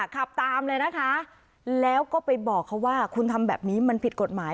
ขับตามเลยนะคะแล้วก็ไปบอกเขาว่าคุณทำแบบนี้มันผิดกฎหมาย